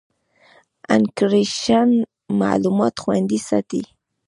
انکریپشن معلومات خوندي ساتي.